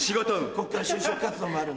こっから就職活動もあるんで。